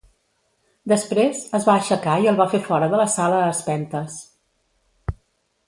Després, es va aixecar i el va fer fora de la sala a espentes.